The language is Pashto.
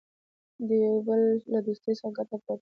د یوه بل له دوستۍ څخه ګټه پورته کړي.